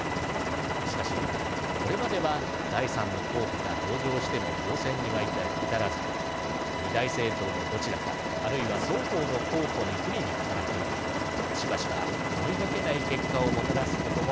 しかしこれまでは第３の候補が登場しても当選には至らず２大政党のどちらかあるいは双方の候補に不利に働きしばしば思いがけない結果をもたらすこともありました。